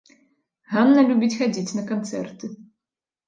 Ганна любіць хадзіць на канцэрты.